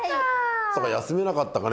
そうか休めなかったかね。